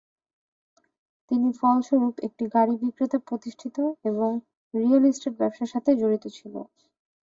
তিনি ফলস্বরূপ একটি গাড়ী বিক্রেতা প্রতিষ্ঠিত, এবং রিয়েল এস্টেট ব্যবসার সাথে জড়িত ছিল।